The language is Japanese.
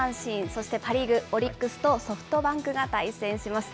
そしてパ・リーグ、オリックスとソフトバンクが対戦します。